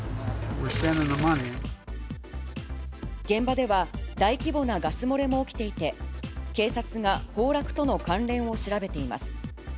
現場では、大規模なガス漏れも起きていて、警察が崩落との関連を調べています。